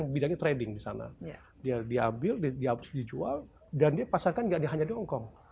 bidangnya trading di sana dia diambil dihapus dijual dan dia pasarkan tidak hanya di hongkong